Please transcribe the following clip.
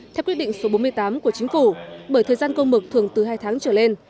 theo quyết định số bốn mươi tám của chính phủ bởi thời gian công mực thường từ hai tháng trở lên